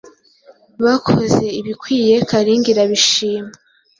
Bakoze ibikwiriye Kalinga irabishima